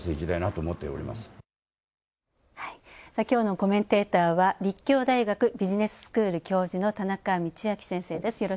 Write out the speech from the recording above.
きょうのコメンテーターは立教大学ビジネススクール教授の田中道昭先生です。